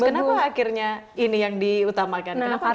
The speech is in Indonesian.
jadi itu akhirnya ini yang diutamakan kenapa gak atas itu